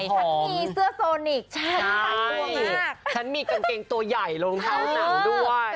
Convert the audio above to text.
ฉันมีเสื้อโซนิกใช่ช่วงนี้ฉันมีกางเกงตัวใหญ่รองเท้าหนังด้วย